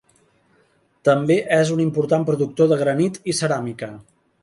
També és un important productor de granit i ceràmica.